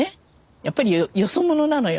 やっぱりよそ者なのよ。